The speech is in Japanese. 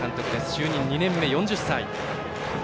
就任２年目、４０歳。